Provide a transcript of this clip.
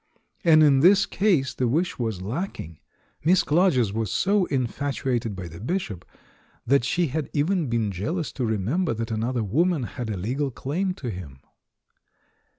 And in this case, the wish was lacking; Miss Clarges was so infatuated by the Bishop that she had even been jealous to remember that another woman had a legal claim to him.